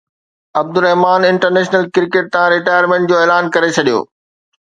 Abdulrahman international cricket تان retirement جو اعلان ڪري ڇڏيو